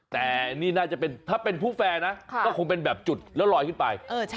แต่นี่น่าจะเป็นถ้าเป็นผู้แฟร์นะก็คงเป็นแบบจุดแล้วลอยขึ้นไป